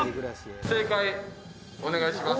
正解お願いします